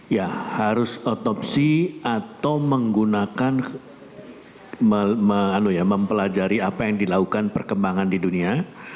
ya harus otopsi atau menggunakan mempelajari apa yang dilakukan perkembangan di dunia